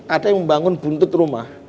ada yang membangun buntut rumah